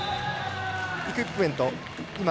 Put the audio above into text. イクイップメント。